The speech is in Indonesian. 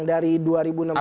terdapat dari perjanjian